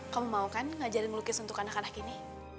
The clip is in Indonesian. kamu mau kan ngajarin melukis untuk anak anak gini